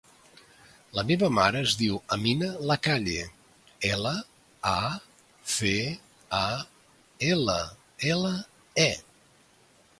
La meva mare es diu Amina Lacalle: ela, a, ce, a, ela, ela, e.